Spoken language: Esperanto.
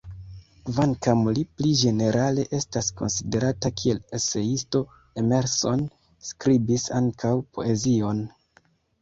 Kvankam li pli ĝenerale estas konsiderata kiel eseisto, Emerson skribis ankaŭ poezion.